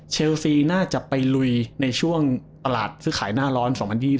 เชลซีน่าจะไปลุยในช่วงตลาดซื้อขายหน้าร้อน๒๐๒๐